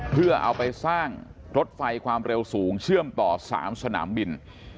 เพื่อเอาไปสร้างรถไฟความเร็วสูงเชื่อมต่อ๓สนามบิน